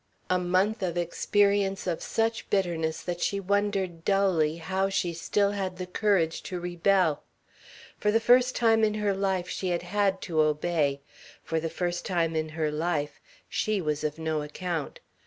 A month of experience of such bitterness that she wondered dully how she still had the courage to rebel. For the first time in her life she had had to obey. For the first time in her life she was of no account.